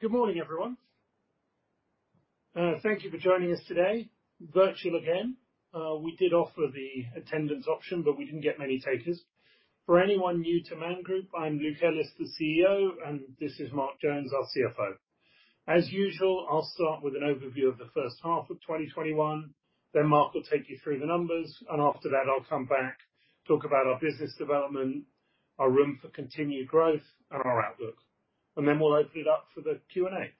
Good morning, everyone. Thank you for joining us today. Virtual again. We did offer the attendance option, but we did not get many takers. For anyone new to Man Group, I am Luke Ellis, the Chief Executive Officer, and this is Mark Jones, our Chief Financial Officer. As usual, I will start with an overview of the first half of 2021. Mark will take you through the numbers, and after that, I will come back to talk about our business development, our room for continued growth and our outlook, and then we will open it up for the Q&A.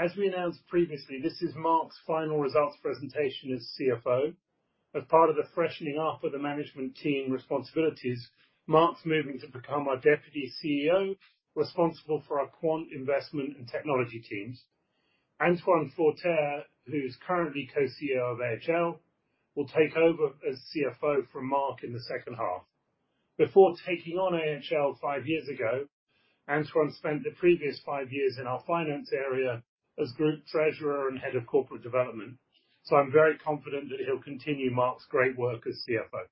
As we announced previously, this is Mark's final results presentation as CFO. As part of the freshening up of the management team responsibilities, Mark's moving to become our Deputy CEO, responsible for our quant investment and technology teams. Antoine Forterre, who is currently co-CEO of AHL, will take over as CFO from Mark in the second half. Before taking on AHL five years ago, Antoine Forterre spent the previous five years in our finance area as group treasurer and head of corporate development. I'm very confident that he'll continue Mark's great work as CFO.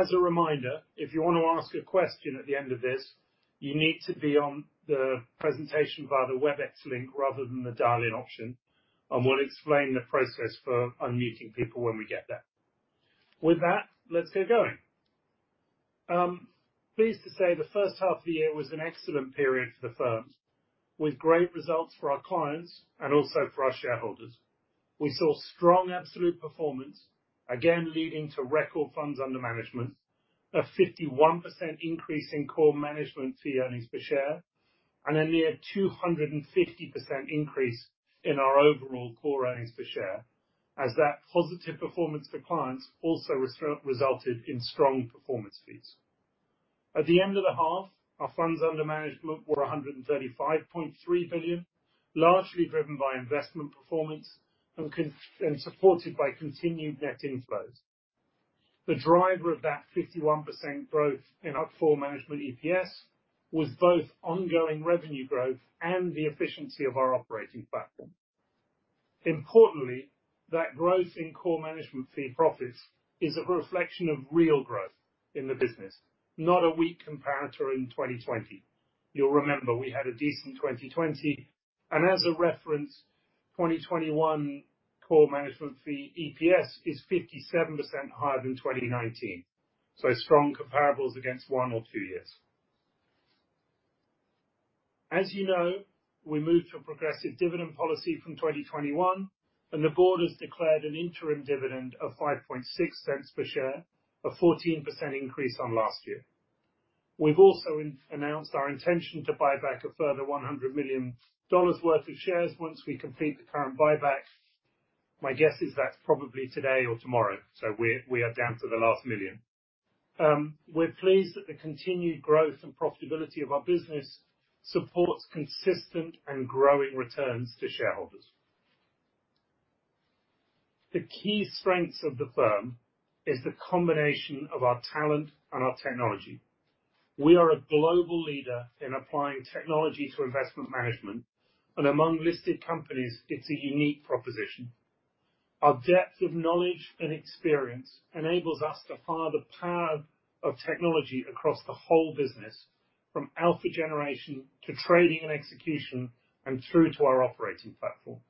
As a reminder, if you want to ask a question at the end of this, you need to be on the presentation via the Webex link rather than the dial-in option, and we'll explain the process for unmuting people when we get there. With that, let's get going. I'm pleased to say the first half of the year was an excellent period for the firm with great results for our clients and also for our shareholders. We saw strong absolute performance, again leading to record funds under management, a 51% increase in core management fee earnings per share, and a near 250% increase in our overall core earnings per share. That positive performance to clients also resulted in strong performance fees. At the end of the half, our funds under management were $135.3 billion, largely driven by investment performance and supported by continued net inflows. The driver of that 51% growth in core management EPS was both ongoing revenue growth and the efficiency of our operating platform. Importantly, that growth in core management fee profits is a reflection of real growth in the business, not a weak comparator in 2020. You'll remember we had a decent 2020, and as a reference, 2021 core management fee EPS is 57% higher than 2019, so strong comparables against one or two years. You know, we moved to a progressive dividend policy from 2021, and the board has declared an interim dividend of $0.056 per share, a 14% increase on last year. We've also announced our intention to buy back a further $100 million worth of shares once we complete the current buyback. My guess is that's probably today or tomorrow. We are down to the last $1 million. We're pleased that the continued growth and profitability of our business supports consistent and growing returns to shareholders. The key strengths of the firm is the combination of our talent and our technology. We are a global leader in applying technology to investment management, and among listed companies, it's a unique proposition. Our depth of knowledge and experience enables us to harness the power of technology across the whole business, from alpha generation to trading and execution, and through to our operating platform.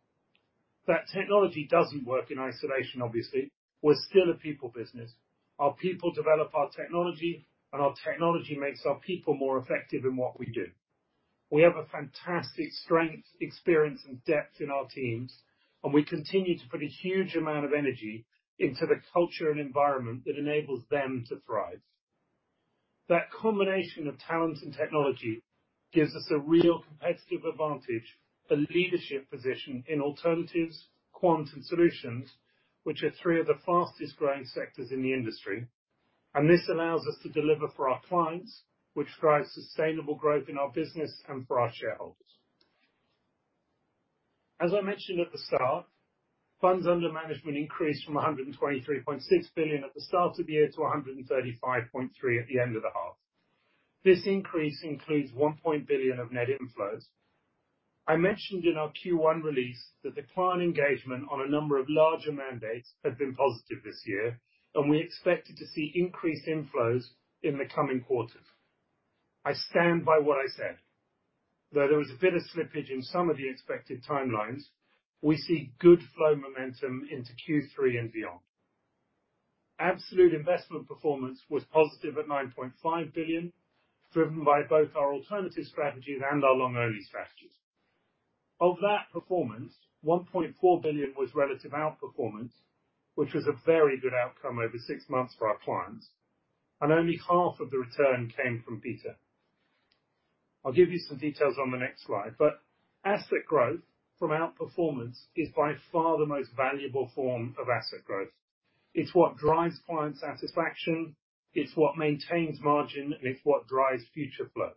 That technology doesn't work in isolation, obviously. We're still a people business. Our people develop our technology, and our technology makes our people more effective in what we do. We have a fantastic strength, experience, and depth in our teams, and we continue to put a huge amount of energy into the culture and environment that enables them to thrive. That combination of talent and technology gives us a real competitive advantage, a leadership position in alternatives, quant, and solutions, which are three of the fastest-growing sectors in the industry. This allows us to deliver for our clients, which drives sustainable growth in our business and for our shareholders. As I mentioned at the start, funds under management increased from 123.6 billion at the start of the year to 135.3 billion at the end of the half. This increase includes 1 billion of net inflows. I mentioned in our Q1 release that the client engagement on a number of larger mandates had been positive this year, and we expected to see increased inflows in the coming quarters. I stand by what I said. Though there was a bit of slippage in some of the expected timelines, we see good flow momentum into Q3 and beyond. Absolute investment performance was positive at 9.5 billion, driven by both our alternative strategies and our long-only strategies. Of that performance, 1.4 billion was relative outperformance, which was a very good outcome over six months for our clients, and only half of the return came from beta. I'll give you some details on the next slide, but asset growth from outperformance is by far the most valuable form of asset growth. It's what drives client satisfaction, it's what maintains margin, and it's what drives future flows.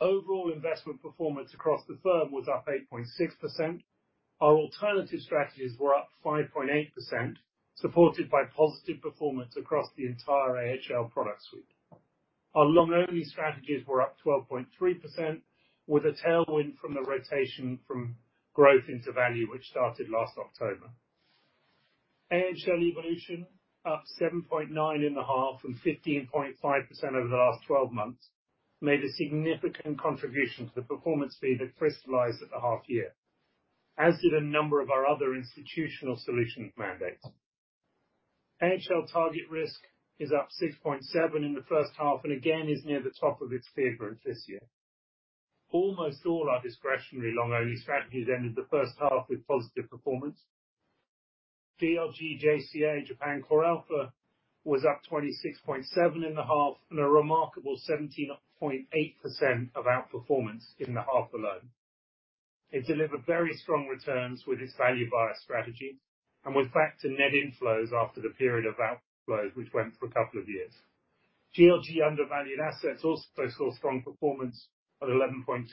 Overall investment performance across the firm was up 8.6%. Our alternative strategies were up 5.8%, supported by positive performance across the entire AHL product suite. Our long-only strategies were up 12.3%, with a tailwind from the rotation from growth into value, which started last October. AHL Evolution, up 7.9% in the half and 15.5% over the last 12 months, made a significant contribution to the performance fee that crystallized at the half year, as did a number of our other Institutional Solutions mandates. AHL TargetRisk is up 6.7% in the first half, and again is near the top of its peer group this year. Almost all our discretionary long-only strategies ended the first half with positive performance. GLG JCA, Japan CoreAlpha, was up 26.7% in the half and a remarkable 17.8% of outperformance in the half alone. It delivered very strong returns with its value bias strategy, and was back to net inflows after the period of outflows, which went for a couple of years. GLG Undervalued Assets also saw strong performance at 11.2%.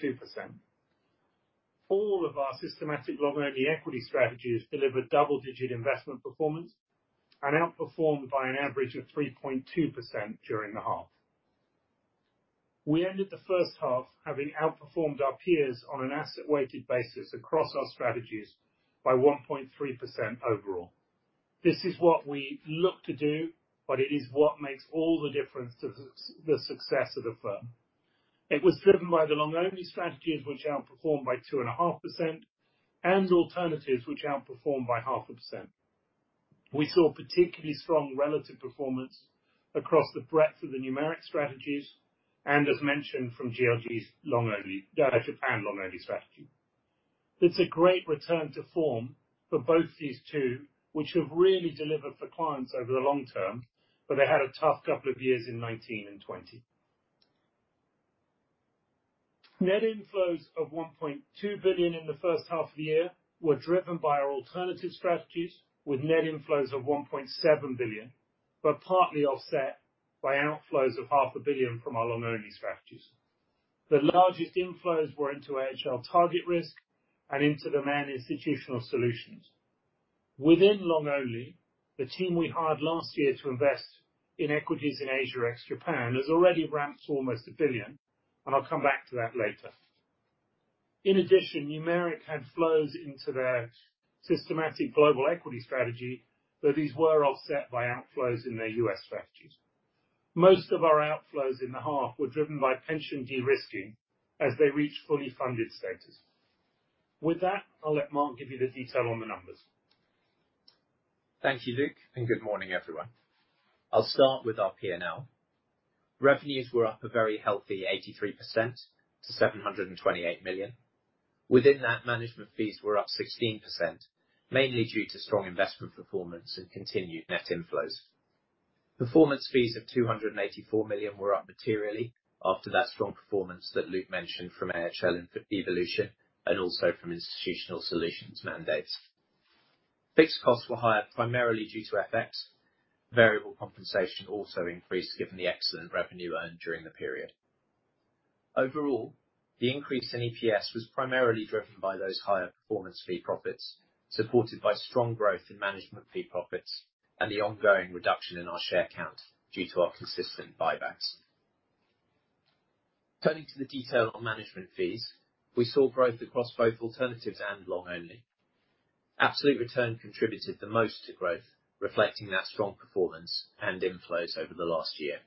All of our systematic long-only equity strategies delivered double-digit investment performance and outperformed by an average of 3.2% during the half. We ended the first half having outperformed our peers on an asset-weighted basis across our strategies by 1.3% overall. This is what we look to do, but it is what makes all the difference to the success of the firm. It was driven by the long-only strategies which outperformed by 2.5%, and alternatives which outperformed by 0.5%. We saw particularly strong relative performance across the breadth of the Numeric strategies and as mentioned, from GLG's Japan long-only strategy. It's a great return to form for both these two, which have really delivered for clients over the long term, but they had a tough couple of years in 2019 and 2020. Net inflows of 1.2 billion in the first half of the year were driven by our alternative strategies with net inflows of 1.7 billion, partly offset by outflows of 0.5 billion from our long-only strategies. The largest inflows were into AHL TargetRisk and into the Man Institutional Solutions. Within long only, the team we hired last year to invest in equities in Asia ex Japan has already ramped almost 1 billion, I'll come back to that later. In addition, Numeric had flows into their systematic global equity strategy, though these were offset by outflows in their U.S. strategies. Most of our outflows in the half were driven by pension de-risking as they reach fully funded status. With that, I'll let Mark Jones give you the detail on the numbers. Thank you, Luke, and good morning, everyone. I'll start with our P&L. Revenues were up a very healthy 83% to 728 million. Within that, management fees were up 16%, mainly due to strong investment performance and continued net inflows. Performance fees of 284 million were up materially after that strong performance that Luke mentioned from AHL Evolution and also from institutional solutions mandates. Fixed costs were higher, primarily due to FX. Variable compensation also increased given the excellent revenue earned during the period. Overall, the increase in EPS was primarily driven by those higher performance fee profits, supported by strong growth in management fee profits and the ongoing reduction in our share count due to our consistent buybacks. Turning to the detail on management fees, we saw growth across both alternatives and long-only. Absolute return contributed the most to growth, reflecting that strong performance and inflows over the last year.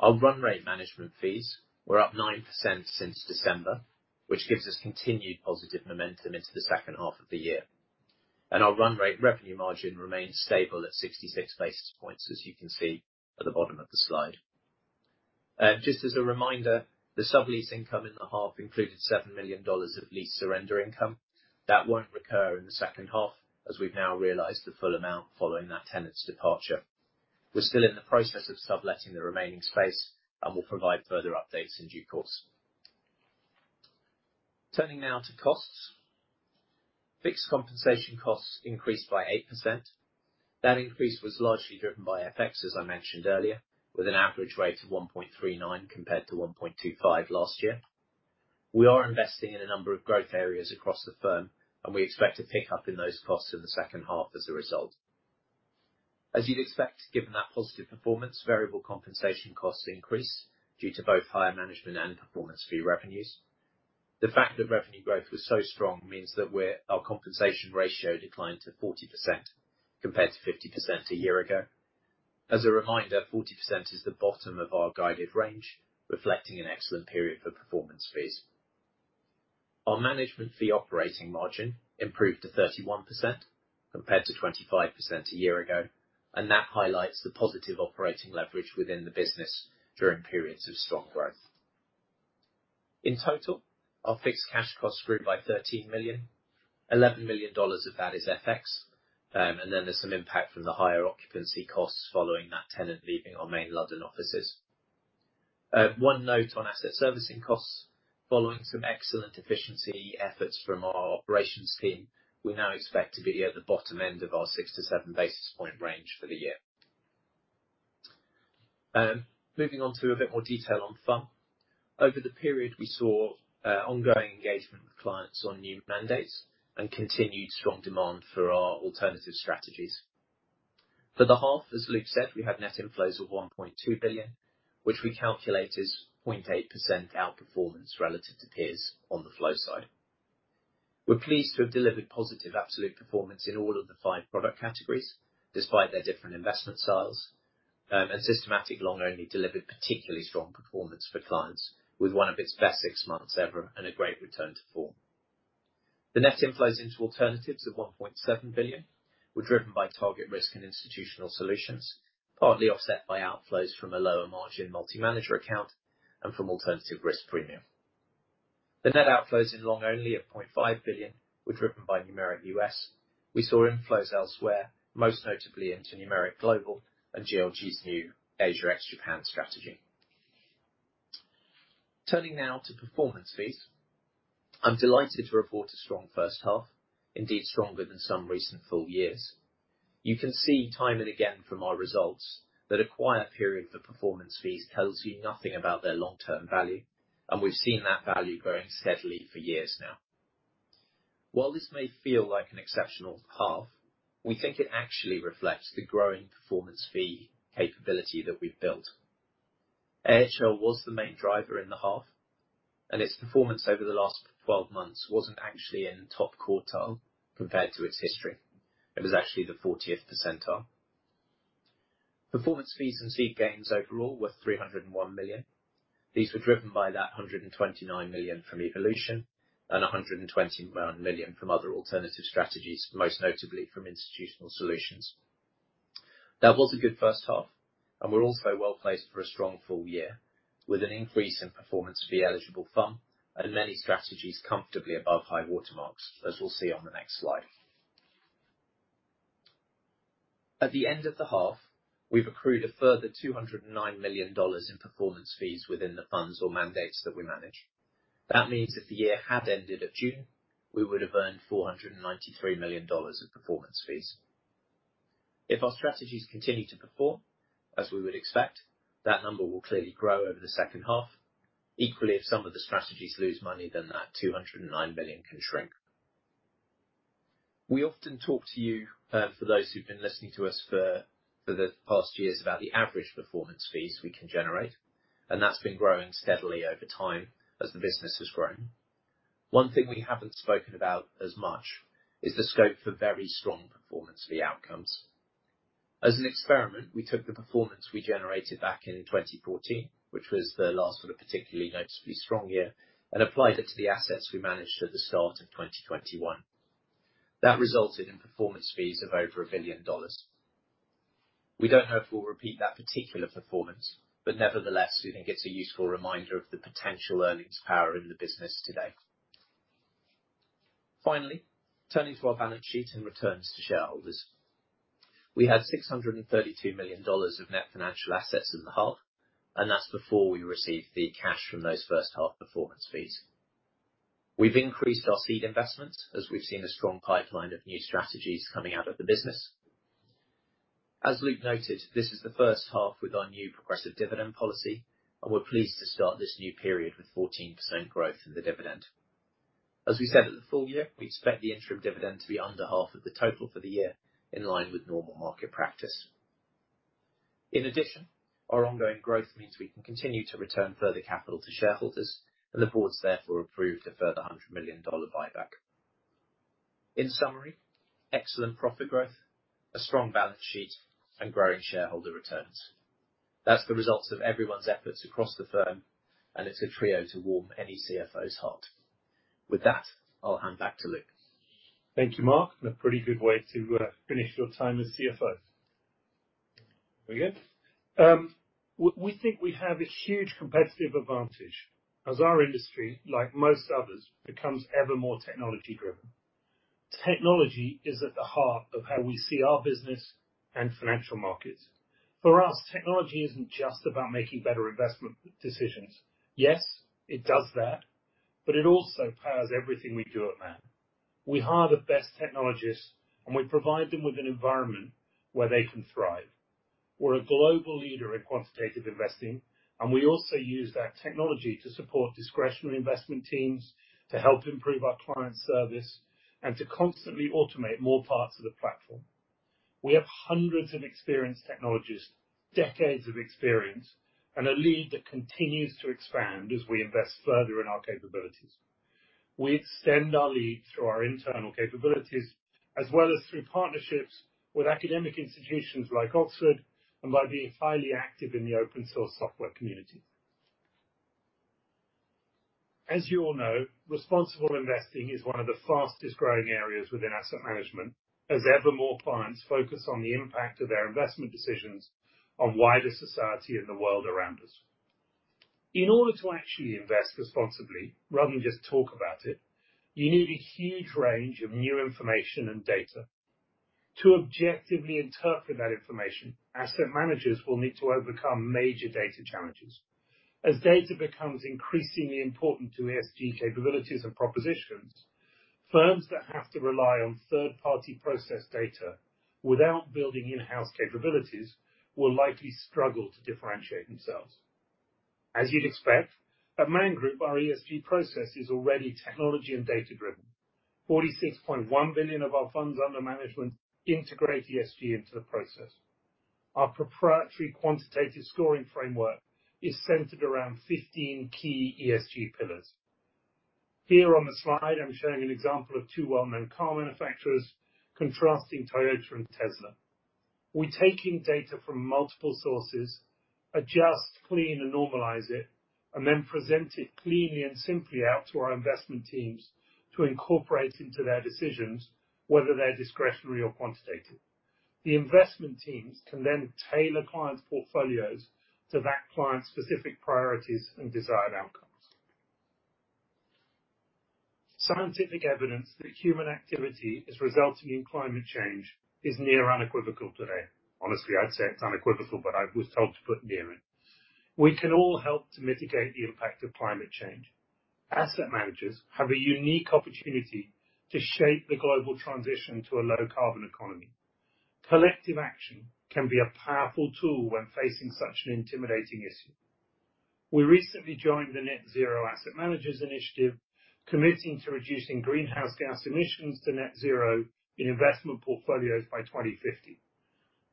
Our run rate management fees were up 9% since December, which gives us continued positive momentum into the second half of the year. Our run rate revenue margin remains stable at 66 basis points, as you can see at the bottom of the slide. Just as a reminder, the sublease income in the half included GBP 7 million of lease surrender income. That won't recur in the second half, as we've now realized the full amount following that tenant's departure. We're still in the process of subletting the remaining space, and will provide further updates in due course. Turning now to costs. Fixed compensation costs increased by 8%. That increase was largely driven by FX, as I mentioned earlier, with an average rate of 1.39 compared to 1.25 last year. We are investing in a number of growth areas across the firm, and we expect a pickup in those costs in the second half as a result. As you'd expect, given that positive performance, variable compensation costs increased due to both higher management and performance fee revenues. The fact that revenue growth was so strong means that our compensation ratio declined to 40% compared to 50% a year ago. As a reminder, 40% is the bottom of our guided range, reflecting an excellent period for performance fees. Our management fee operating margin improved to 31% compared to 25% a year ago. That highlights the positive operating leverage within the business during periods of strong growth. In total, our fixed cash costs grew by 13 million. GBP 11 million of that is FX. There's some impact from the higher occupancy costs following that tenant leaving our main London offices. One note on asset servicing costs. Following some excellent efficiency efforts from our operations team, we now expect to be at the bottom end of our 6 basis point-7 basis point range for the year. Moving on to a bit more detail on Funds Under Management. Over the period, we saw ongoing engagement with clients on new mandates and continued strong demand for our alternative strategies. For the half, as Luke said, we had net inflows of 1.2 billion, which we calculate is 0.8% outperformance relative to peers on the flow side. We are pleased to have delivered positive absolute performance in all of the five product categories, despite their different investment styles. Systematic long only delivered particularly strong performance for clients with one of its best six months ever and a great return to form. The net inflows into alternatives of 1.7 billion were driven by AHL TargetRisk and Man Institutional Solutions, partly offset by outflows from a lower margin multi-manager account and from Alternative Risk Premia. The net outflows in long only of 0.5 billion were driven by Numeric U.S. We saw inflows elsewhere, most notably into Numeric Global and GLG's new Asia ex-Japan strategy. Turning now to performance fees. I'm delighted to report a strong first half, indeed stronger than some recent full years. You can see time and again from our results that a quiet period for performance fees tells you nothing about their long-term value, and we've seen that value growing steadily for years now. While this may feel like an exceptional half, we think it actually reflects the growing performance fee capability that we've built. AHL was the main driver in the half. Its performance over the last 12 months wasn't actually in the top quartile compared to its history. It was actually the 40th percentile. Performance fees and fee gains overall were $301 million. These were driven by that $129 million from AHL Evolution and $121 million from other alternative strategies, most notably from Man Institutional Solutions. That was a good first half. We're also well-placed for a strong full year with an increase in performance fee eligible FUM and many strategies comfortably above high water marks, as we'll see on the next slide. At the end of the half, we've accrued a further $209 million in performance fees within the funds or mandates that we manage. That means if the year had ended at June, we would have earned $493 million of performance fees. If our strategies continue to perform, as we would expect, that number will clearly grow over the second half. Equally, if some of the strategies lose money, then that $209 million can shrink. We often talk to you, for those who've been listening to us for the past years, about the average performance fees we can generate, and that's been growing steadily over time as the business has grown. One thing we haven't spoken about as much is the scope for very strong performance fee outcomes. As an experiment, we took the performance we generated back in 2014, which was the last sort of particularly noticeably strong year, and applied it to the assets we managed at the start of 2021. That resulted in performance fees of over $1 billion. We don't know if we'll repeat that particular performance, nevertheless, we think it's a useful reminder of the potential earnings power in the business today. Turning to our balance sheet and returns to shareholders. We had $632 million of net financial assets in the half, that's before we received the cash from those first half performance fees. We've increased our seed investments as we've seen a strong pipeline of new strategies coming out of the business. As Luke noted, this is the first half with our new progressive dividend policy, we're pleased to start this new period with 14% growth in the dividend. As we said at the full year, we expect the interim dividend to be under half of the total for the year in line with normal market practice. In addition, our ongoing growth means we can continue to return further capital to shareholders, and the board has therefore approved a further $100 million buyback. In summary, excellent profit growth, a strong balance sheet, and growing shareholder returns. That's the results of everyone's efforts across the firm, it's a trio to warm any CFO's heart. With that, I'll hand back to Luke. Thank you, Mark. A pretty good way to finish your time as CFO. Very good. We think we have a huge competitive advantage as our industry, like most others, becomes ever more technology-driven. Technology is at the heart of how we see our business and financial markets. For us, technology isn't just about making better investment decisions. Yes, it does that, but it also powers everything we do at Man. We hire the best technologists, and we provide them with an environment where they can thrive. We're a global leader in quantitative investing, and we also use that technology to support discretionary investment teams to help improve our client service and to constantly automate more parts of the platform. We have hundreds of experienced technologists, decades of experience, and a lead that continues to expand as we invest further in our capabilities. We extend our lead through our internal capabilities as well as through partnerships with academic institutions like Oxford and by being highly active in the open source software community. As you all know, responsible investing is one of the fastest-growing areas within asset management, as ever more clients focus on the impact of their investment decisions on wider society and the world around us. In order to actually invest responsibly rather than just talk about it, you need a huge range of new information and data. To objectively interpret that information, asset managers will need to overcome major data challenges. As data becomes increasingly important to ESG capabilities and propositions, firms that have to rely on third-party processed data without building in-house capabilities will likely struggle to differentiate themselves. As you'd expect, at Man Group, our Environmental, Social and Governance process is already technology and data-driven. 46.1 billion of our funds under management integrate ESG into the process. Our proprietary quantitative scoring framework is centered around 15 key ESG pillars. Here on the slide, I'm showing an example of two well-known car manufacturers contrasting Toyota and Tesla. We take in data from multiple sources, adjust, clean, and normalize it, then present it cleanly and simply out to our investment teams to incorporate into their decisions, whether they're discretionary or quantitative. The investment teams can tailor clients' portfolios to that client's specific priorities and desired outcomes. Scientific evidence that human activity is resulting in climate change is near unequivocal today. Honestly, I'd say it's unequivocal, I was told to put near in. We can all help to mitigate the impact of climate change. Asset managers have a unique opportunity to shape the global transition to a low-carbon economy. Collective action can be a powerful tool when facing such an intimidating issue. We recently joined the Net Zero Asset Managers initiative, committing to reducing greenhouse gas emissions to net zero in investment portfolios by 2050,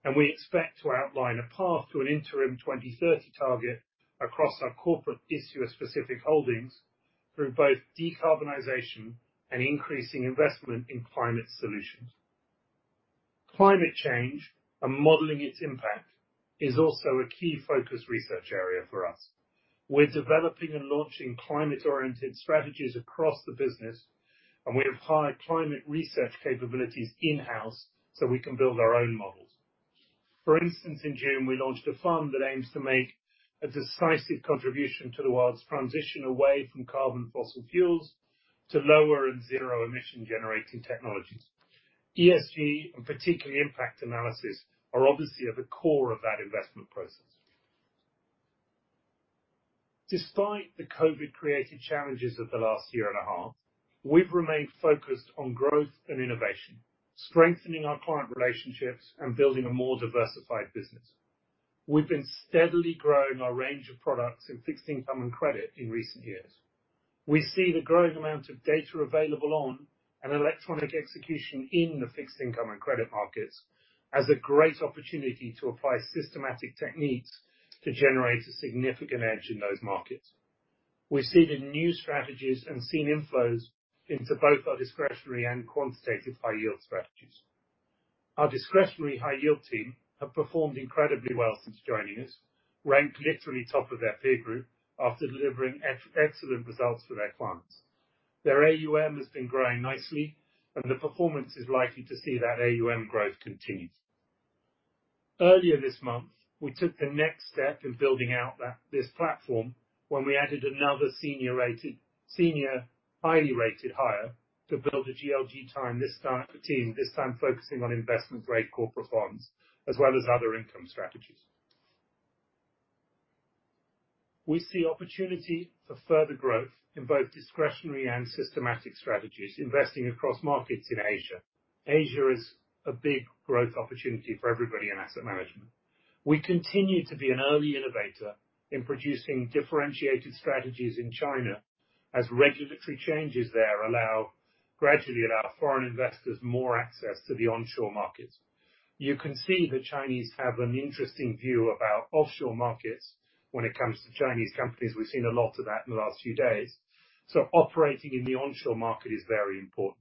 and we expect to outline a path to an interim 2030 target across our corporate issuer-specific holdings through both decarbonization and increasing investment in climate solutions. Climate change and modeling its impact is also a key focus research area for us. We're developing and launching climate-oriented strategies across the business, and we have hired climate research capabilities in-house so we can build our own models. For instance, in June, we launched a fund that aims to make a decisive contribution to the world's transition away from carbon fossil fuels to lower and zero-emission generating technologies. ESG, and particularly impact analysis, are obviously at the core of that investment process. Despite the COVID-created challenges of the last year and a half, we've remained focused on growth and innovation, strengthening our client relationships and building a more diversified business. We've been steadily growing our range of products in fixed income and credit in recent years. We see the growing amount of data available on an electronic execution in the fixed income and credit markets as a great opportunity to apply systematic techniques to generate a significant edge in those markets. We've seeded new strategies and seen inflows into both our discretionary and quantitative high yield strategies. Our discretionary high yield team have performed incredibly well since joining us, ranked literally top of their peer group after delivering excellent results for their clients. Their AUM has been growing nicely, and the performance is likely to see that AUM growth continue. Earlier this month, we took the next step in building out this platform when we added another senior, highly rated hire to build a GLG team, this time focusing on investment-grade corporate bonds as well as other income strategies. We see opportunity for further growth in both discretionary and systematic strategies investing across markets in Asia. Asia is a big growth opportunity for everybody in asset management. We continue to be an early innovator in producing differentiated strategies in China as regulatory changes there gradually allow foreign investors more access to the onshore markets. You can see the Chinese have an interesting view about offshore markets when it comes to Chinese companies. We've seen a lot of that in the last few days. Operating in the onshore market is very important.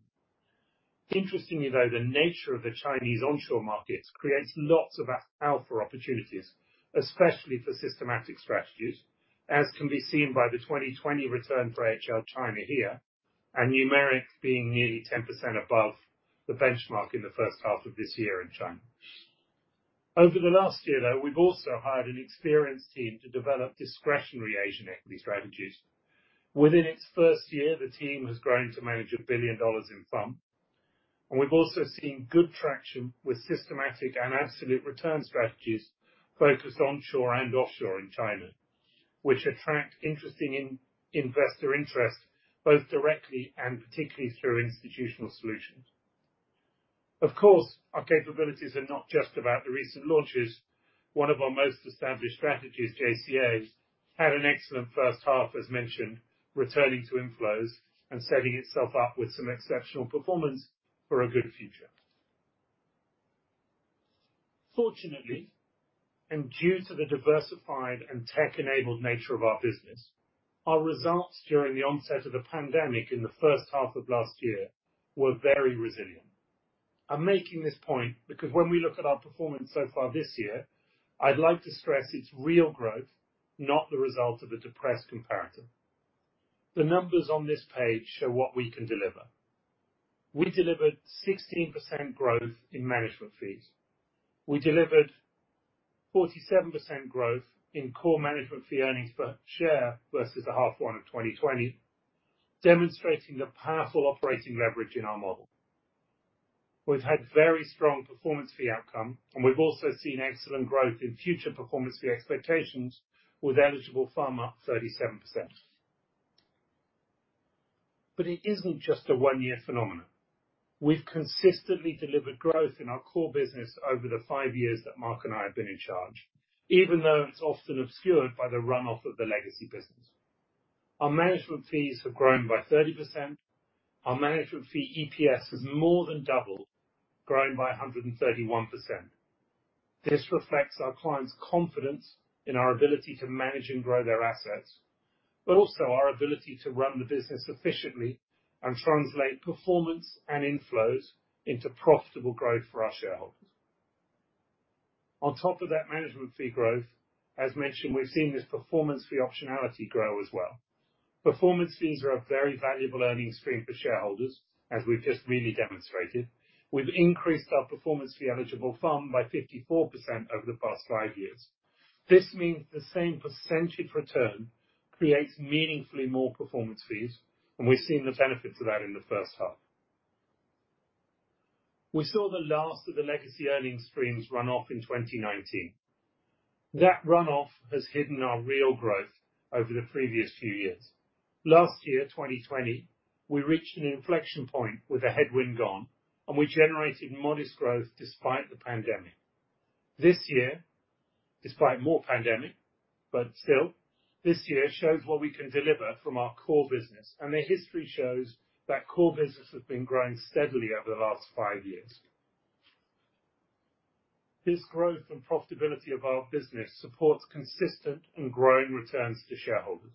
Interestingly, though, the nature of the Chinese onshore markets creates lots of alpha opportunities, especially for systematic strategies, as can be seen by the 2020 return for AHL China here, and Numeric being nearly 10% above the benchmark in the first half of this year in China. Over the last year, though, we've also hired an experienced team to develop discretionary Asian equity strategies. Within its first year, the team has grown to manage $1 billion in funds, and we've also seen good traction with systematic and absolute return strategies focused onshore and offshore in China, which attract investor interest both directly and particularly through Institutional Solutions. Of course, our capabilities are not just about the recent launches. One of our most established strategies, JCA, had an excellent first half, as mentioned, returning to inflows and setting itself up with some exceptional performance for a good future. Fortunately, and due to the diversified and tech-enabled nature of our business, our results during the onset of the pandemic in the first half of last year were very resilient. I'm making this point because when we look at our performance so far this year, I'd like to stress it's real growth, not the result of a depressed comparator. The numbers on this page show what we can deliver. We delivered 16% growth in management fees. We delivered 47% growth in core management fee earnings per share versus the half one of 2020, demonstrating the powerful operating leverage in our model. We've had very strong performance fee outcome, and we've also seen excellent growth in future performance fee expectations with eligible FUM up 37%. It isn't just a one-year phenomenon. We've consistently delivered growth in our core business over the five years that Mark and I have been in charge, even though it's often obscured by the runoff of the legacy business. Our management fees have grown by 30%. Our management fee EPS has more than doubled, grown by 131%. This reflects our clients' confidence in our ability to manage and grow their assets, also our ability to run the business efficiently and translate performance and inflows into profitable growth for our shareholders. On top of that management fee growth, as mentioned, we're seeing this performance fee optionality grow as well. Performance fees are a very valuable earnings stream for shareholders, as we've just really demonstrated. We've increased our performance fee eligible FUM by 54% over the past five years. This means the same percentage return creates meaningfully more performance fees. We've seen the benefits of that in the first half. We saw the last of the legacy earnings streams run off in 2019. That runoff has hidden our real growth over the previous few years. Last year, 2020, we reached an inflection point with the headwind gone. We generated modest growth despite the pandemic. This year, despite more pandemic, but still, this year shows what we can deliver from our core business. The history shows that core business has been growing steadily over the last five years. This growth and profitability of our business supports consistent and growing returns to shareholders.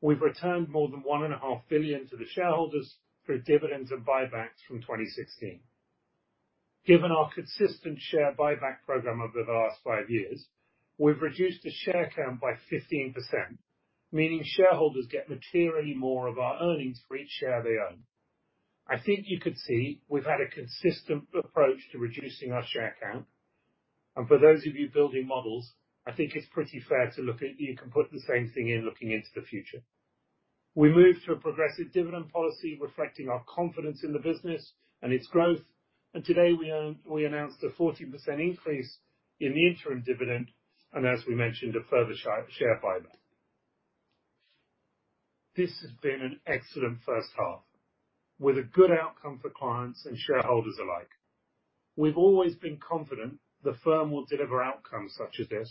We've returned more than 1.5 billion to the shareholders through dividends and buybacks from 2016. Given our consistent share buyback program over the last five years, we've reduced the share count by 15%, meaning shareholders get materially more of our earnings for each share they own. I think you could see, we've had a consistent approach to reducing our share count. For those of you building models, I think it's pretty fair to look at you can put the same thing in looking into the future. We moved to a progressive dividend policy reflecting our confidence in the business and its growth, and today we announced a 14% increase in the interim dividend, and as we mentioned, a further share buyback. This has been an excellent first half with a good outcome for clients and shareholders alike. We've always been confident the firm will deliver outcomes such as this.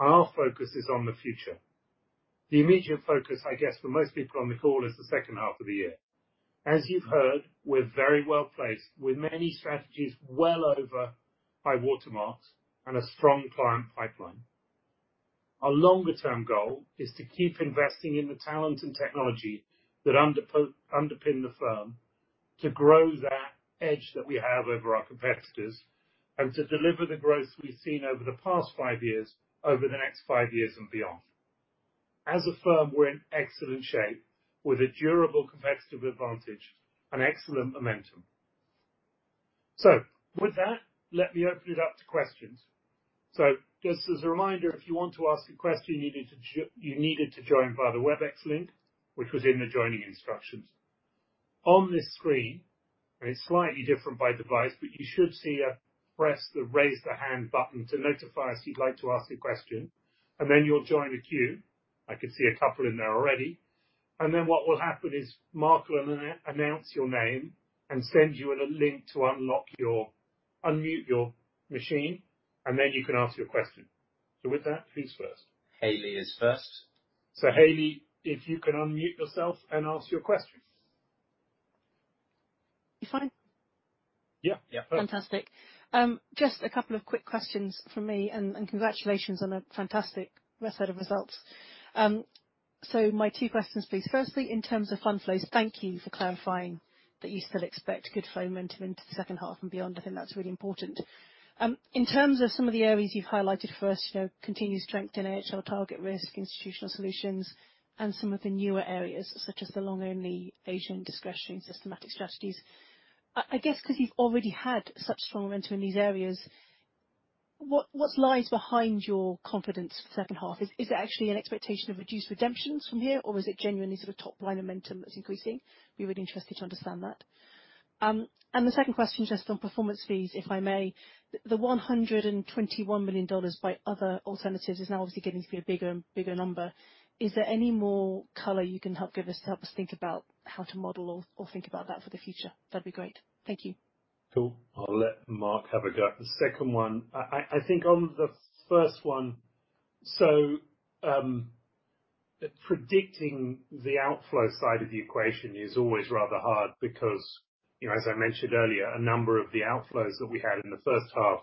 Our focus is on the future. The immediate focus, I guess, for most people on the call is the second half of the year. As you've heard, we're very well-placed with many strategies well over high watermarks and a strong client pipeline. Our longer-term goal is to keep investing in the talent and technology that underpin the firm, to grow that edge that we have over our competitors, and to deliver the growth we've seen over the past five years over the next five years and beyond. As a firm, we're in excellent shape with a durable competitive advantage and excellent momentum. With that, let me open it up to questions. Just as a reminder, if you want to ask a question, you needed to join via the Webex link, which was in the joining instructions. On this screen, it's slightly different by device, but you should see a press the Raise the Hand button to notify us you'd like to ask a question, and then you'll join a queue. I can see a couple in there already. What will happen is Mark will announce your name and send you a link to unmute your machine, and then you can ask your question. With that, who's first? Hayley is first. Hayley, if you can unmute yourself and ask your question. Fine? Yeah. Yeah. Fantastic. Just two quick questions from me, congratulations on a fantastic set of results. My two questions, please. First, in terms of fund flows, thank you for clarifying that you still expect good flow momentum into the second half and beyond. I think that's really important. In terms of some of the areas you've highlighted for us, continued strength in AHL TargetRisk, Man Institutional Solutions and some of the newer areas such as the long-only Asian discretionary systematic strategies. I guess, because you've already had such strong momentum in these areas, what lies behind your confidence for the second half? Is it actually an expectation of reduced redemptions from here, or is it genuinely sort of top-line momentum that's increasing? I'd be really interested to understand that. The second question, just on performance fees, if I may. The GBP 121 million by other alternatives is now obviously getting to be a bigger and bigger number. Is there any more color you can help give us to help us think about how to model or think about that for the future? That would be great. Thank you. Cool. I'll let Mark have a go at the second one. I think on the first one, predicting the outflow side of the equation is always rather hard because, as I mentioned earlier, a number of the outflows that we had in the first half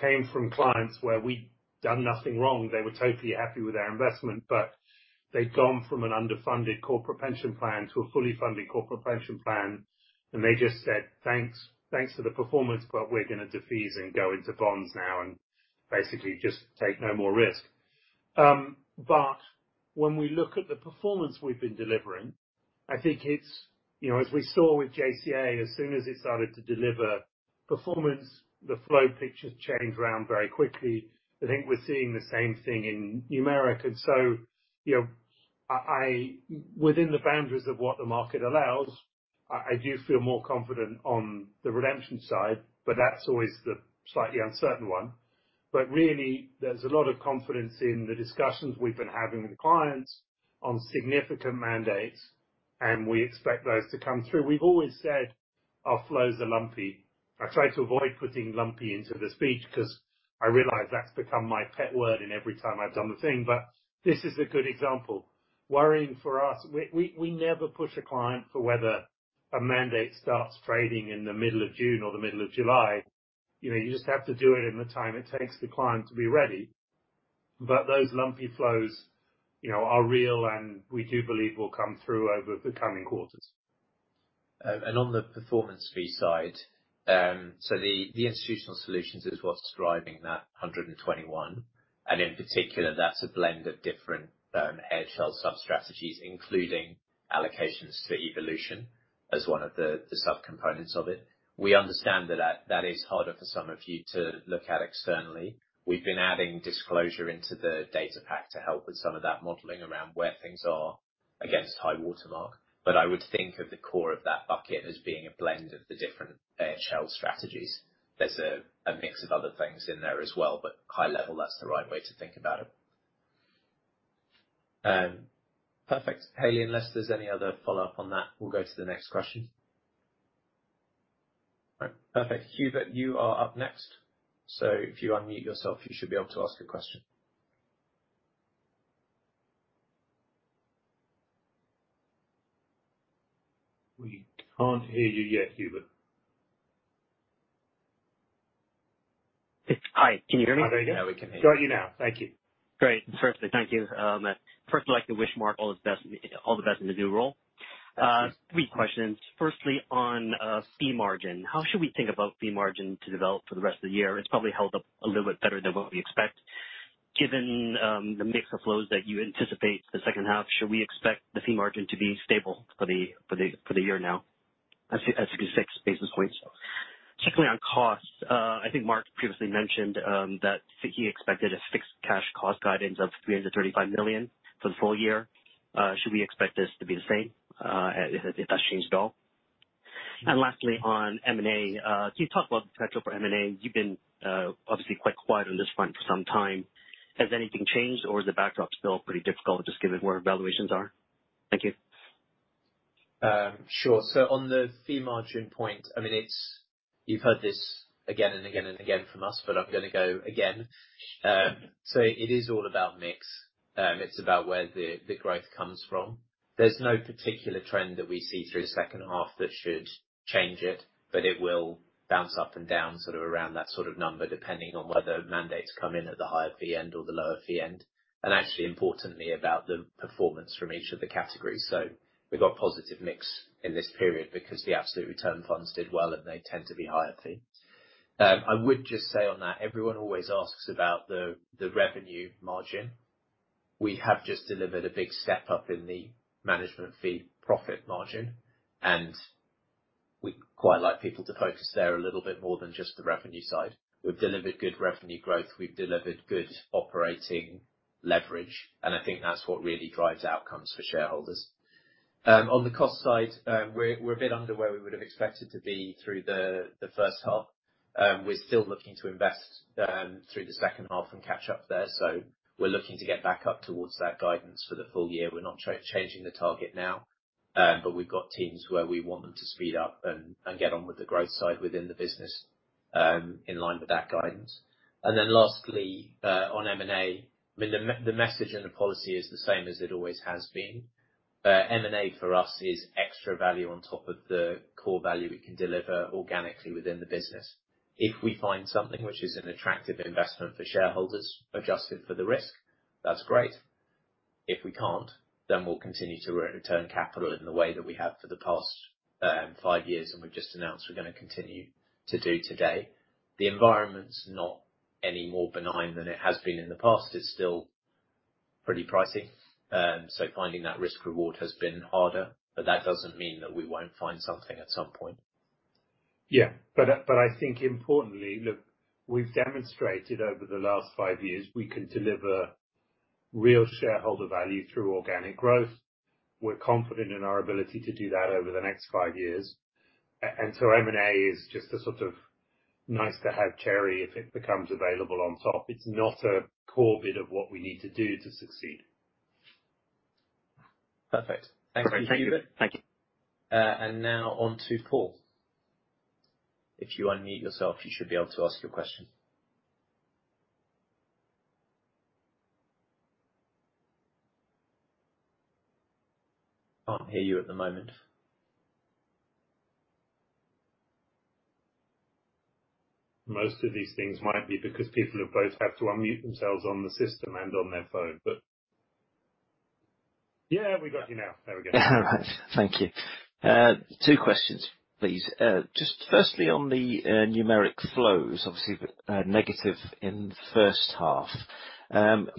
came from clients where we'd done nothing wrong. They were totally happy with their investment, they'd gone from an underfunded corporate pension plan to a fully funded corporate pension plan, and they just said, "Thanks for the performance, but we're going to defease and go into bonds now and basically just take no more risk." When we look at the performance we've been delivering, I think it's, as we saw with JCA, as soon as it started to deliver performance, the flow picture changed around very quickly. I think we're seeing the same thing in Numeric. Within the boundaries of what the market allows, I do feel more confident on the redemption side, but that's always the slightly uncertain one. Really, there's a lot of confidence in the discussions we've been having with clients on significant mandates, and we expect those to come through. We've always said our flows are lumpy. I try to avoid putting lumpy into the speech because I realize that's become my pet word in every time I've done the thing, but this is a good example. Worrying for us, we never push a client for whether a mandate starts trading in the middle of June or the middle of July. You just have to do it in the time it takes the client to be ready. Those lumpy flows are real, and we do believe will come through over the coming quarters. On the performance fee side, the Man Institutional Solutions is what's driving that $121 billion. In particular, that's a blend of different AHL sub-strategies, including allocations to AHL Evolution as one of the sub-components of it. We understand that is harder for some of you to look at externally. We've been adding disclosure into the data pack to help with some of that modeling around where things are against high-water mark. I would think of the core of that bucket as being a blend of the different AHL strategies. There's a mix of other things in there as well, but high level, that's the right way to think about it. Perfect. Hayley, unless there's any other follow-up on that, we'll go to the next question. All right. Perfect. Hubert, you are up next. If you unmute yourself, you should be able to ask a question. We can't hear you yet, Hubert. Hi, can you hear me? Oh, there you go. Now we can hear you. Got you now. Thank you. Great. Perfect. Thank you. First I'd like to wish Mark all the best in the new role. Three questions. Firstly, on fee margin. How should we think about fee margin to develop for the rest of the year? It's probably held up a little bit better than what we expect. Given the mix of flows that you anticipate the second half, should we expect the fee margin to be stable for the year now at 66 basis points? Secondly, on costs, I think Mark previously mentioned that he expected a fixed cash cost guidance of $335 million for the full year. Should we expect this to be the same, if that's changed at all? Lastly, on M&A, can you talk about the potential for M&A? You've been obviously quite quiet on this front for some time. Has anything changed or is the backdrop still pretty difficult just given where valuations are? Thank you. Sure. On the fee margin point, you've heard this again and again and again from us, but I'm gonna go again. It is all about mix. It's about where the growth comes from. There's no particular trend that we see through second half that should change it, but it will bounce up and down sort of around that sort of number, depending on whether mandates come in at the higher fee end or the lower fee end. Actually importantly about the performance from each of the categories. We've got positive mix in this period because the absolute return funds did well and they tend to be higher fee. I would just say on that, everyone always asks about the revenue margin. We have just delivered a big step up in the management fee profit margin, and we'd quite like people to focus there a little bit more than just the revenue side. We've delivered good revenue growth. We've delivered good operating leverage, and I think that's what really drives outcomes for shareholders. On the cost side, we're a bit under where we would have expected to be through the first half. We're still looking to invest through the second half and catch up there. We're looking to get back up towards that guidance for the full year. We're not changing the target now, but we've got teams where we want them to speed up and get on with the growth side within the business, in line with that guidance. Lastly, on M&A, the message and the policy is the same as it always has been. M&A for us is extra value on top of the core value we can deliver organically within the business. If we find something which is an attractive investment for shareholders, adjusted for the risk, that's great. If we can't, we'll continue to return capital in the way that we have for the past five years, and we've just announced we're gonna continue to do today. The environment's not any more benign than it has been in the past. It's still pretty pricey. Finding that risk reward has been harder, but that doesn't mean that we won't find something at some point. Yeah. I think importantly, look, we've demonstrated over the last five years, we can deliver real shareholder value through organic growth. We're confident in our ability to do that over the next five years. M&A is just a sort of nice-to-have cherry if it becomes available on top. It's not a core bit of what we need to do to succeed. Perfect. Thank you, Hubert. Thank you. Now on to Paul. If you unmute yourself, you should be able to ask your question. Can't hear you at the moment. Most of these things might be because people both have to unmute themselves on the system and on their phone. We got you now. There we go. Thank you. Two questions, please. Firstly on the Numeric flows, obviously negative in the first half.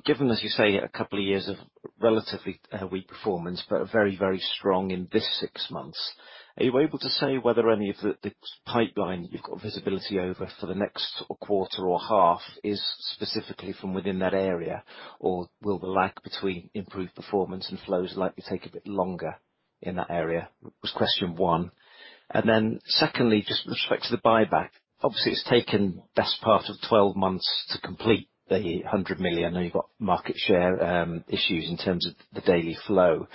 Given, as you say, a couple of years of relatively weak performance, but very, very strong in this six months, are you able to say whether any of the pipeline you've got visibility over for the next quarter or half is specifically from within that area? Will the lag between improved performance and flows likely take a bit longer? In that area was question one. Secondly, just with respect to the buyback, obviously it's taken the best part of 12 months to complete the 100 million. I know you've got market share issues in terms of the daily flow.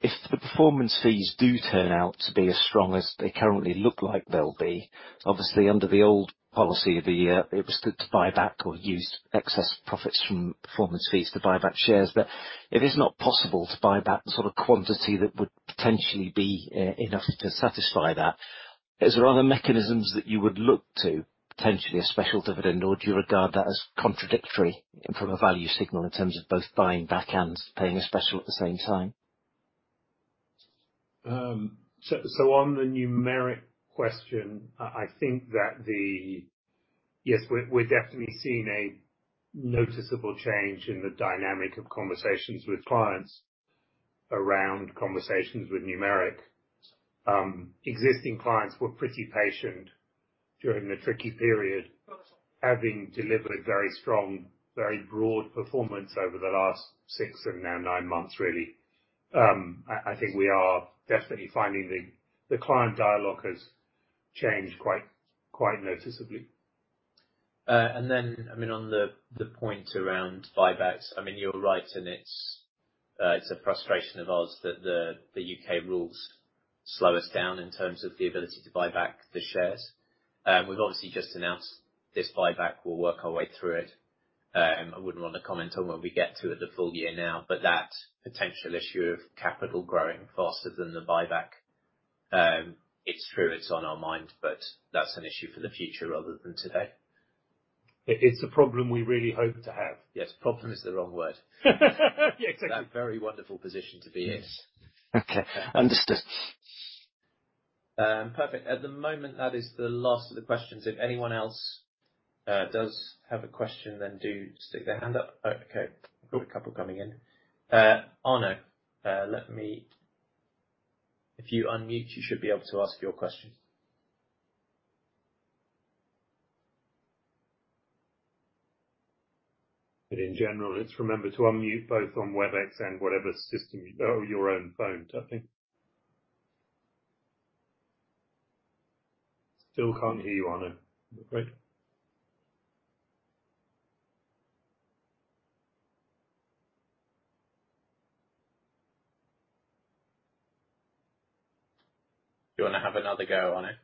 If the performance fees do turn out to be as strong as they currently look like they'll be, obviously under the old policy of the year, it was to buy back or use excess profits from performance fees to buy back shares. It is not possible to buy back the sort of quantity that would potentially be enough to satisfy that. Is there other mechanisms that you would look to, potentially a special dividend, or do you regard that as contradictory from a value signal in terms of both buying back and paying a special at the same time? On the Numeric question, I think that yes, we're definitely seeing a noticeable change in the dynamic of conversations with clients around conversations with Numeric. Existing clients were pretty patient during the tricky period, having delivered a very strong, very broad performance over the last six and now nine months really. I think we are definitely finding the client dialogue has changed quite noticeable. On the point around buybacks, you're right and it's a frustration of ours that the U.K. rules slow us down in terms of the ability to buy back the shares. We've obviously just announced this buyback. We'll work our way through it. I wouldn't want to comment on what we get to at the full year now, but that potential issue of capital growing faster than the buyback, it's true, it's on our mind, but that's an issue for the future rather than today. It's a problem we really hope to have. Yes, problem is the wrong word. Yeah, exactly. That very wonderful position to be in. Okay. Understood. Perfect. At the moment, that is the last of the questions. If anyone else does have a question, then do stick their hand up. Oh, okay. Got a couple coming in. Arnaud, if you unmute, you should be able to ask your question. In general, just remember to unmute both on Webex and whatever system or your own phone, don't they? Still can't hear you, Arnaud. Okay. Do you want to have another go, Arnaud?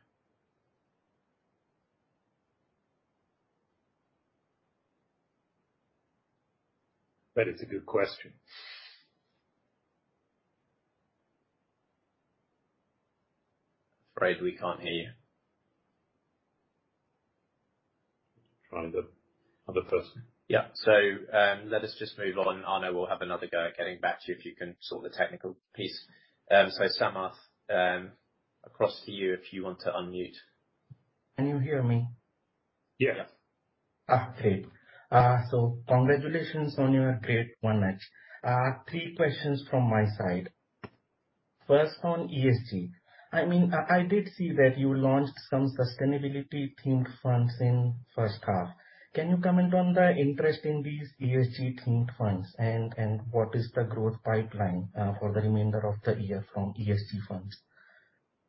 That is a good question. Afraid we can't hear you. Try the other person. Yeah. Let us just move on. Arnaud, we'll have another go at getting back to you if you can sort the technical piece. Samarth, across to you if you want to unmute. Can you hear me? Yes. Yes. Congratulations on your great first half. Three questions from my side. First, on ESG. I did see that you launched some sustainability-themed funds in first half. Can you comment on the interest in these ESG-themed funds and what is the growth pipeline for the remainder of the year from ESG funds?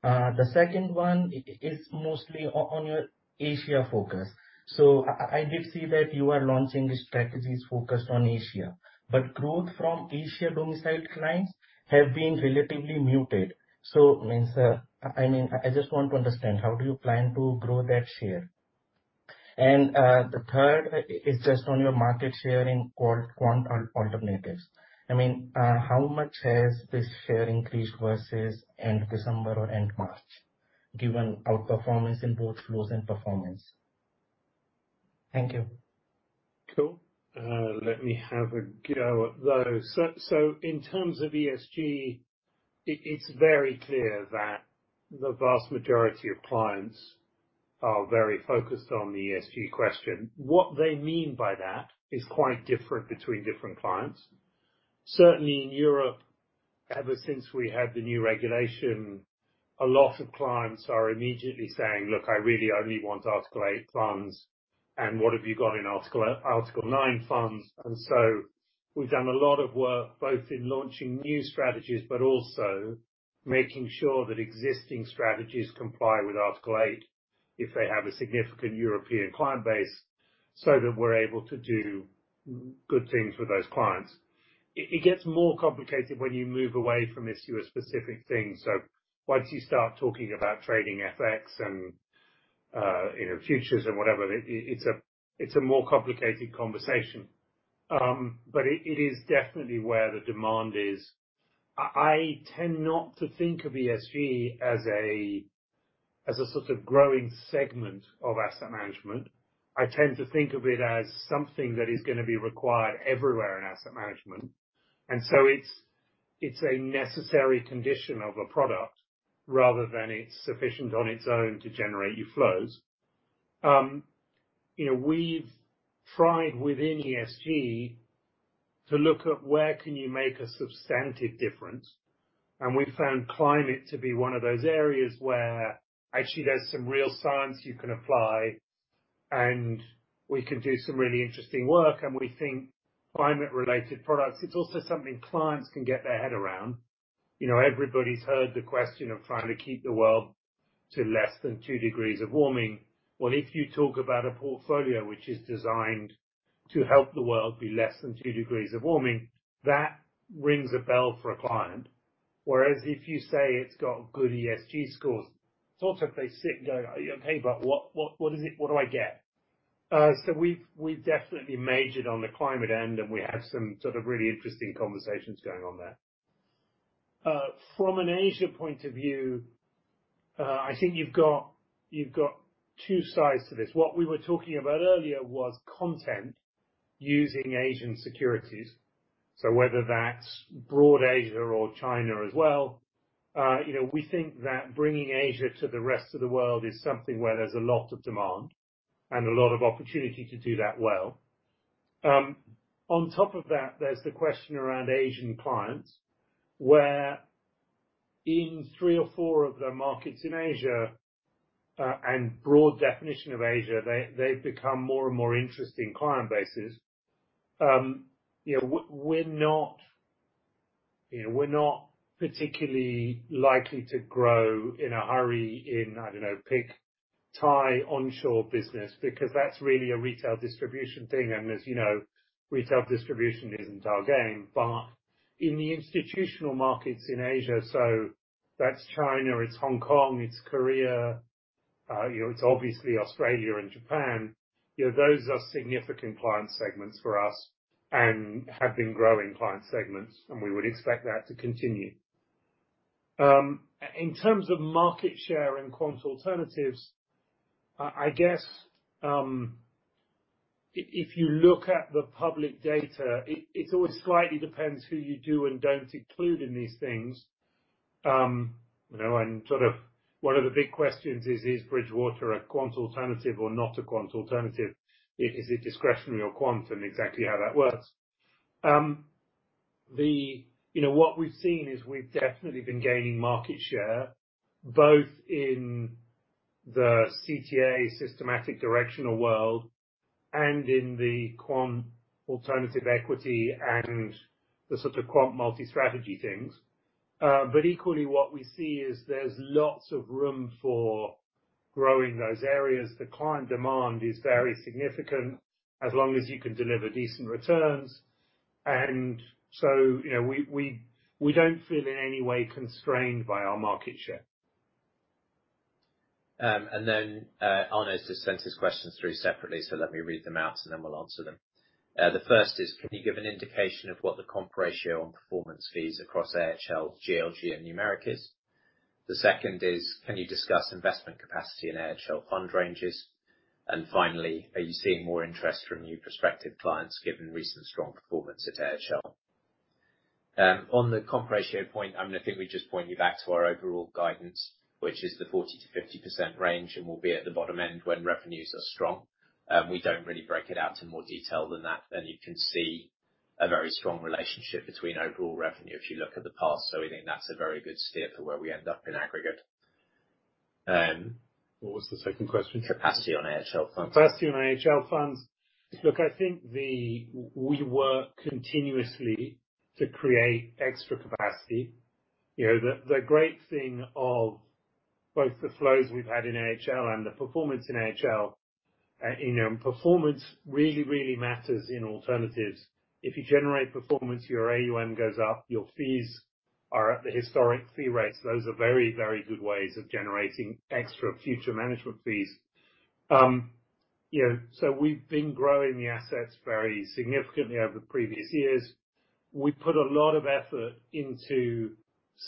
The second one is mostly on your Asia focus. I did see that you are launching strategies focused on Asia, but growth from Asia-domiciled clients have been relatively muted. I just want to understand, how do you plan to grow that share? The third is just on your market share in quant alternatives. How much has this share increased versus end December or end March, given outperformance in both flows and performance? Thank you. Cool. Let me have a go at those. In terms of ESG, it's very clear that the vast majority of clients are very focused on the ESG question. What they mean by that is quite different between different clients. Certainly, in Europe, ever since we had the new regulation, a lot of clients are immediately saying, "Look, I really only want Article 8 funds, and what have you got in Article 9 funds?" We've done a lot of work both in launching new strategies, but also making sure that existing strategies comply with Article 8 if they have a significant European client base, so that we're able to do good things with those clients. It gets more complicated when you move away from this EU-specific thing. Once you start talking about trading FX and futures and whatever, it's a more complicated conversation. It is definitely where the demand is. I tend not to think of ESG as a sort of growing segment of asset management. I tend to think of it as something that is going to be required everywhere in asset management. So it's a necessary condition of a product rather than it's sufficient on its own to generate you flows. We've tried within ESG to look at where can you make a substantive difference, and we found climate to be one of those areas where actually there's some real science you can apply. We can do some really interesting work, and we think climate related products, it's also something clients can get their head around. Everybody's heard the question of trying to keep the world to less than 2 degrees of warming. Well, if you talk about a portfolio which is designed to help the world be less than 2 degrees of warming, that rings a bell for a client. Whereas if you say it's got good ESG scores, sort of they sit and go, "Okay, but what do I get?" We've definitely majored on the climate end, and we have some sort of really interesting conversations going on there. From an Asia point of view, I think you've got two sides to this. What we were talking about earlier was content using Asian securities. Whether that's broad Asia or China as well, we think that bringing Asia to the rest of the world is something where there's a lot of demand and a lot of opportunity to do that well. On top of that, there's the question around Asian clients, where in three or four of the markets in Asia, and broad definition of Asia, they've become more and more interesting client bases. We're not particularly likely to grow in a hurry in, I don't know, big Thai onshore business, because that's really a retail distribution thing. As you know, retail distribution isn't our game. In the institutional markets in Asia, so that's China, it's Hong Kong, it's Korea, it's obviously Australia and Japan. Those are significant client segments for us and have been growing client segments, and we would expect that to continue. In terms of market share and quant alternatives, I guess, if you look at the public data, it always slightly depends who you do and don't include in these things. Sort of one of the big questions is Bridgewater a quant alternative or not a quant alternative? Is it discretionary or quant, and exactly how that works. What we've seen is we've definitely been gaining market share, both in the Commodity Trading Advisor systematic directional world and in the quant alternative equity and the sort of quant multi-strategy things. Equally, what we see is there's lots of room for growing those areas. The client demand is very significant, as long as you can deliver decent returns. We don't feel in any way constrained by our market share. Arnaud's just sent his questions through separately, let me read them out we'll answer them. The first is, can you give an indication of what the comp ratio on performance fees across AHL, GLG and Numeric is? The second is, can you discuss investment capacity in AHL fund ranges? Are you seeing more interest from new prospective clients given recent strong performance at AHL? I'm going to think we'd just point you back to our overall guidance, which is the 40%-50% range and will be at the bottom end when revenues are strong. We don't really break it out in more detail than that. You can see a very strong relationship between overall revenue if you look at the past. We think that's a very good steer for where we end up in aggregate. What was the second question? Capacity on AHL funds. Capacity on AHL funds. I think we work continuously to create extra capacity. The great thing of both the flows we've had in AHL and the performance in AHL, performance really matters in alternatives. If you generate performance, your AUM goes up, your fees are at the historic fee rates. Those are very good ways of generating extra future management fees. We've been growing the assets very significantly over the previous years. We put a lot of effort into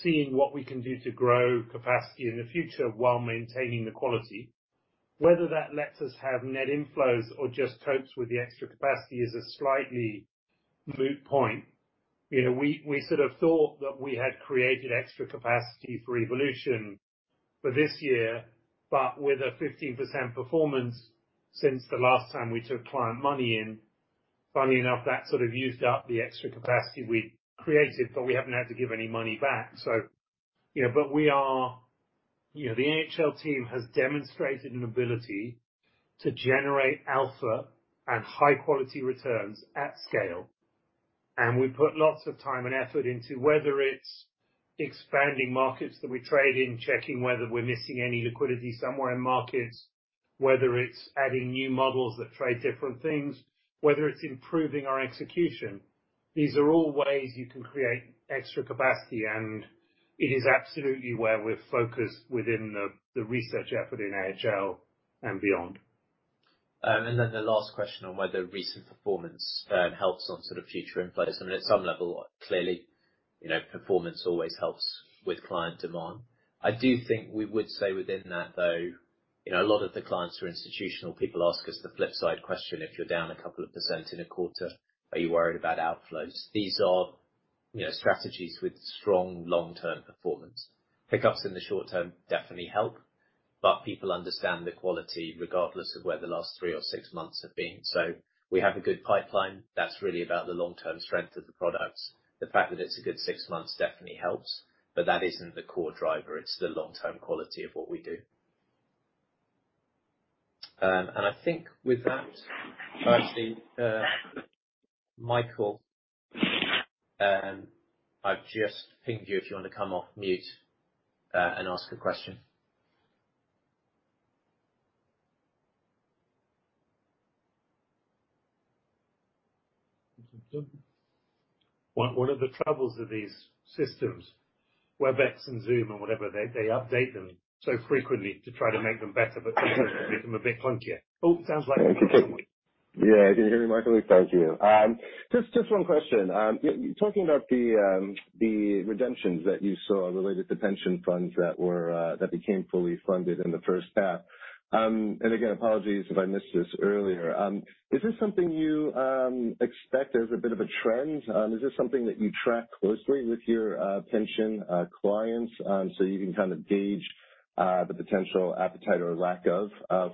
seeing what we can do to grow capacity in the future while maintaining the quality. Whether that lets us have net inflows or just copes with the extra capacity is a slightly moot point. We sort of thought that we had created extra capacity for AHL Evolution for this year. With a 15% performance since the last time we took client money in, funny enough, that sort of used up the extra capacity we'd created, but we haven't had to give any money back. The AHL team has demonstrated an ability to generate alpha and high quality returns at scale. We put lots of time and effort into whether it's expanding markets that we trade in, checking whether we're missing any liquidity somewhere in markets, whether it's adding new models that trade different things, whether it's improving our execution. These are all ways you can create extra capacity, and it is absolutely where we're focused within the research effort in AHL and beyond. Then the last question on whether recent performance helps on sort of future inflows. I mean, at some level, clearly, performance always helps with client demand. I do think we would say within that, though, a lot of the clients who are institutional people ask us the flip side question, if you're down a couple of percentage in a quarter, are you worried about outflows? These are strategies with strong long-term performance. Pickups in the short term definitely help, but people understand the quality regardless of where the last three or six months have been. We have a good pipeline that's really about the long-term strength of the products. The fact that it's a good six months definitely helps, but that isn't the core driver. It's the long-term quality of what we do. I think with that, I see Michael. I've just pinged you if you want to come off mute and ask a question. One of the troubles of these systems, Webex and Zoom and whatever, they update them so frequently to try to make them better, but sometimes make them a bit clunkier. Oh, sounds like we've got someone. Yeah. Can you hear me? Michael. Thank you. Just one question. Talking about the redemptions that you saw related to pension funds that became fully funded in the first half, and again, apologies if I missed this earlier. Is this something you expect as a bit of a trend? Is this something that you track closely with your pension clients, so you can gauge the potential appetite or lack of,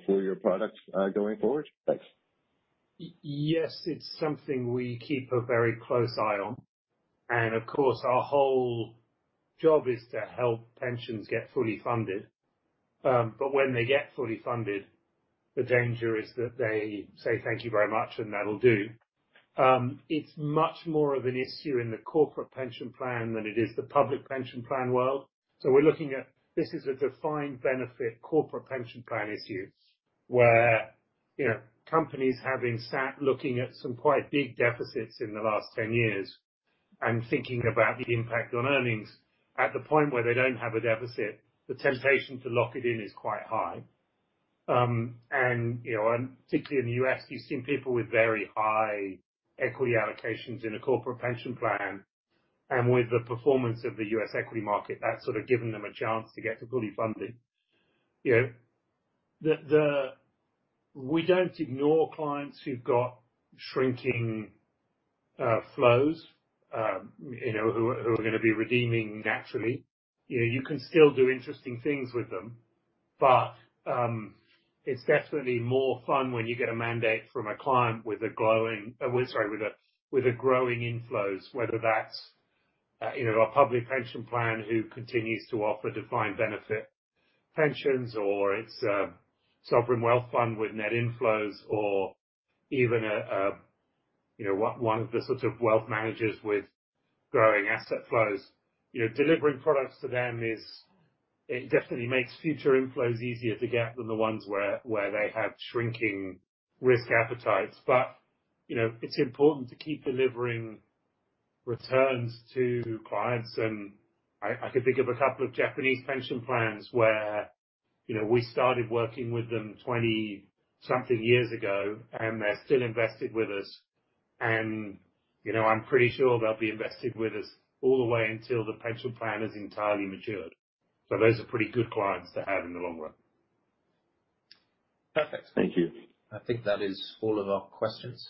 for your products going forward? Thanks. Yes, it's something we keep a very close eye on. Of course, our whole job is to help pensions get fully funded. When they get fully funded, the danger is that they say, "Thank you very much, and that'll do." It's much more of an issue in the corporate pension plan than it is the public pension plan world. We're looking at this as a defined benefit corporate pension plan issue, where companies having sat looking at some quite big deficits in the last 10 years and thinking about the impact on earnings. At the point where they don't have a deficit, the temptation to lock it in is quite high. Particularly in the U.S., you've seen people with very high equity allocations in a corporate pension plan. With the performance of the U.S. equity market, that's given them a chance to get to fully funded. We don't ignore clients who've got shrinking flows who are going to be redeeming naturally. You can still do interesting things with them. It's definitely more fun when you get a mandate from a client with a growing inflows, whether that's a public pension plan who continues to offer defined benefit pensions, or it's a sovereign wealth fund with net inflows or even one of the wealth managers with growing asset flows. Delivering products to them, it definitely makes future inflows easier to get than the ones where they have shrinking risk appetites. It's important to keep delivering returns to clients. I could think of a couple of Japanese pension plans where we started working with them 20 something years ago, and they're still invested with us. I'm pretty sure they'll be invested with us all the way until the pension plan is entirely matured. Those are pretty good clients to have in the long run. Perfect. Thank you. I think that is all of our questions.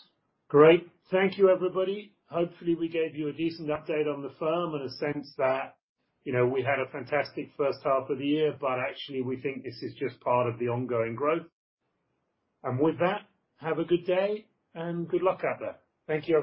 Great. Thank you, everybody. Hopefully, we gave you a decent update on the firm and a sense that we had a fantastic first half of the year, but actually, we think this is just part of the ongoing growth. With that, have a good day, and good luck out there. Thank you.